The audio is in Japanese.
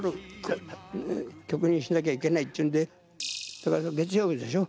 だから月曜日でしょ。